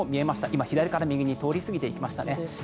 今、左から右に通り過ぎていきましたね。